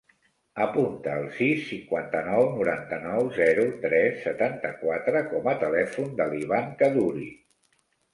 Apunta el sis, cinquanta-nou, noranta-nou, zero, tres, setanta-quatre com a telèfon de l'Ivan Kaddouri.